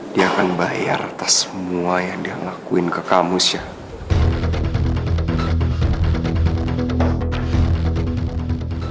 dia akan bayar atas semua yang dia ngakuin ke kamu chef